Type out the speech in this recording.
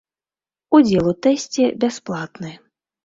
Удзел у тэсце бясплатны.